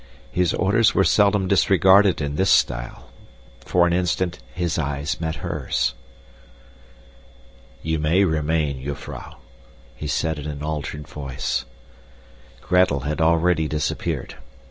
His orders were seldom disregarded in this style. For an instant his eye met hers. "You may remain, jufvrouw," he said in an altered voice. Gretel had already disappeared.